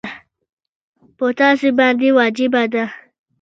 پر تاسي باندي واجبه ده.